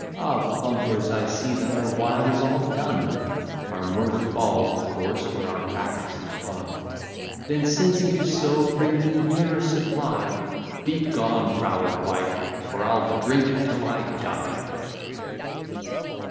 Ah, bumpers, I see that our wine is all done, Our mirth falls of course, when our Bacchus is gone. Then since it is so, bring me here a supply; Begone, froward wife, for I'll drink till I die.